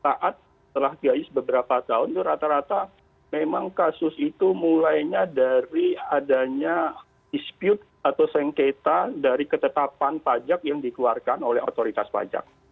saat setelah gayus beberapa tahun itu rata rata memang kasus itu mulainya dari adanya dispute atau sengketa dari ketetapan pajak yang dikeluarkan oleh otoritas pajak